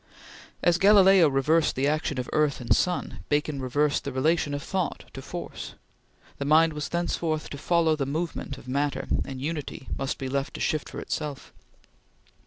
As Galileo reversed the action of earth and sun, Bacon reversed the relation of thought to force. The mind was thenceforth to follow the movement of matter, and unity must be left to shift for itself.